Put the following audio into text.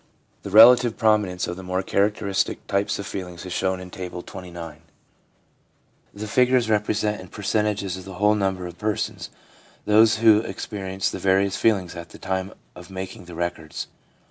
The relative prominence of the more characteristic types of feeling is shown in Table XXIX. The figures represent in percentages of the whole number of persons those who experienced the various feelings at the time of making the records.